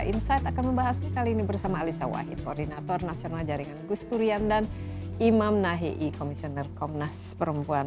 insight akan membahasnya kali ini bersama alisa wahid koordinator nasional jaringan gus durian dan imam nahii komisioner komnas perempuan